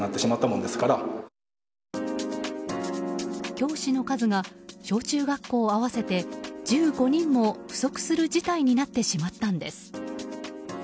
教師の数が小中学校合わせて１５人も不足する事態になってしまったんです。